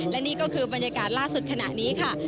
และนี่ก็คือบรรยากาศล่าสุดขณะนี้ค่ะ